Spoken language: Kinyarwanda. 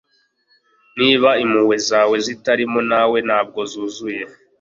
niba impuhwe zawe zitarimo nawe, ntabwo zuzuye